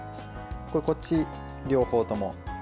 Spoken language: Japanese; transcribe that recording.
こっち、両方とも。